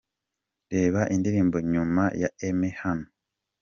Reba indirimbo Nyuma ya Emmy hano.